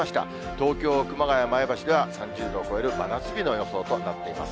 東京、熊谷、前橋では３０度を超える真夏日の予想となっています。